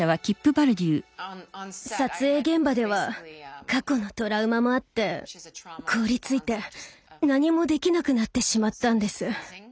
撮影現場では過去のトラウマもあって凍りついて何もできなくなってしまったんです。